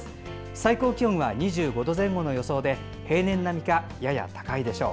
最高気温は２５度前後の予想で平年並みか、やや高いでしょう。